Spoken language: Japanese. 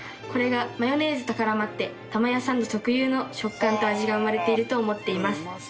これがマヨネーズと絡まって玉屋サンド特有の食感と味が生まれていると思っています。